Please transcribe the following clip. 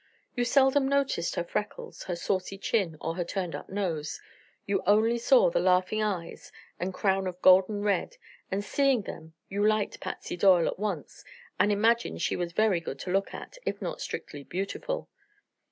You seldom noticed her freckles, her saucy chin or her turned up nose; you only saw the laughing eyes and crown of golden red, and seeing them you liked Patsy Doyle at once and imagined she was very good to look at, if not strictly beautiful.